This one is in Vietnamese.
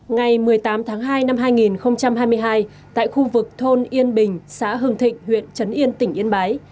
ngày một mươi tám tháng hai năm hai nghìn hai mươi hai tại khu vực thôn yên bình xã hưng thịnh huyện trấn yên tỉnh yên bái